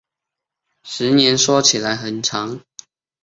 十年说起来很长